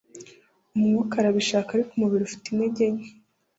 umwuka arabishaka ariko umubiri ufite intege nke